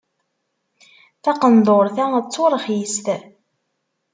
Taqendurt-a d turxist.